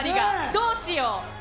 どうしよう。